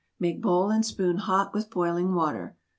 Make bowl and spoon hot with boiling water.